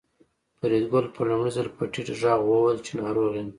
فریدګل په لومړي ځل په ټیټ غږ وویل چې ناروغ یم